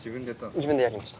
自分でやりました。